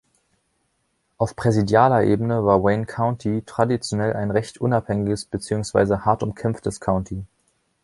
Auf präsidialer Ebene war Wayne County traditionell ein recht unabhängiges bzw. hart umkämpftes County.